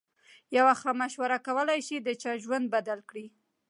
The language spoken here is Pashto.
یوه ښه مشوره کولای شي د چا ژوند بدل کړي.